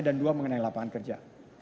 dan dua mengenai lapangan kerja